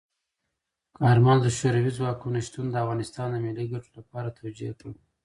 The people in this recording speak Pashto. کارمل د شوروي ځواکونو شتون د افغانستان د ملي ګټو لپاره توجیه کړ.